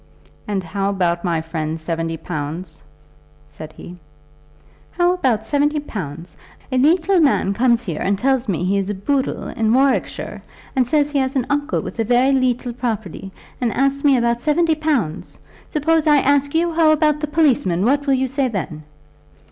"And how about my friend's seventy pounds?" said he. "How about seventy pounds! a leetle man comes here and tells me he is a Booddle in Warwickshire, and says he has an uncle with a very leetle property, and asks me how about seventy pounds! Suppose I ask you how about the policeman, what will you say then?"